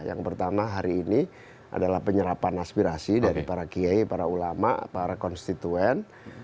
yang pertama hari ini adalah penyerapan aspirasi dari para kiai para ulama para konstituen